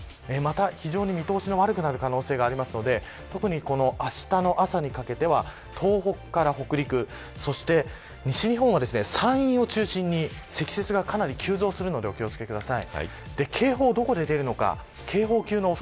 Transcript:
非常に見通しが悪くなる可能性があるので特にあしたの朝にかけては東北から北陸そして西日本は山陰を中心に積雪がかなり急増するのでお気を付けください。